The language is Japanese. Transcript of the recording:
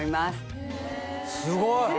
すごい！